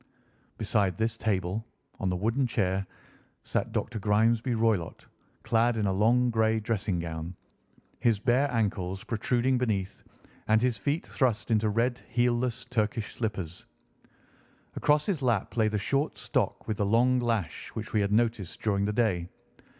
Beside this table, on the wooden chair, sat Dr. Grimesby Roylott clad in a long grey dressing gown, his bare ankles protruding beneath, and his feet thrust into red heelless Turkish slippers. Across his lap lay the short stock with the long lash which we had noticed during the day.